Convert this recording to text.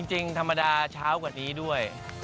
จริงธรรมดาเช้ากว่านี้ด้วย